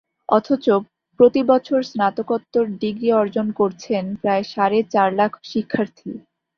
অথচ প্রতিবছর স্নাতকোত্তর ডিগ্রি অর্জন করছেন প্রায় সাড়ে চার লাখ শিক্ষার্থী।